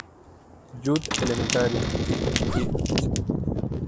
Jude Elementary, y St.